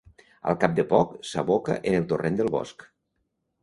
Al cap de poc s'aboca en el torrent del Bosc.